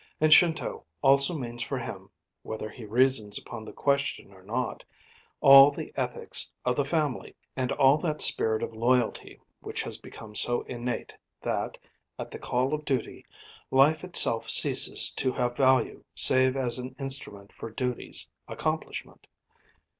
And Shinto also means for him whether he reasons upon the question or not all the ethics of the family, and all that spirit of loyalty which has become so innate that, at the call of duty, life itself ceases to have value save as an instrument for duty's accomplishment.